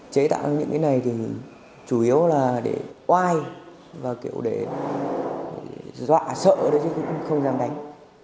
chế tạo những cái này thì chủ yếu là để oai và kiểu để dọa sợ đấy chứ cũng không dám đánh